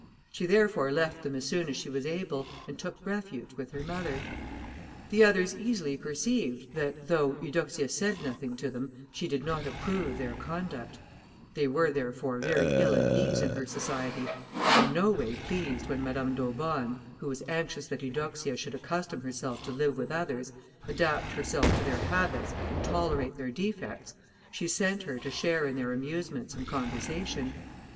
She therefore left them as soon as she was able, and took refuge with her mother. The others easily perceived, that though Eudoxia said nothing to them, she did not approve of their conduct; they were, therefore, very ill at ease in her society, and in no way pleased when Madame d'Aubonne, who was anxious that Eudoxia should accustom herself to live with others, adapt herself to their habits, and tolerate their defects, sent her to share in their amusements and conversation.